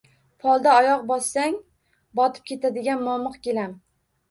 Polda oyoq bossang, botib ketadigan momiq gilam